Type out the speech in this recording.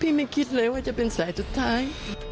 ไม่คิดเลยว่าจะเป็นสายสุดท้าย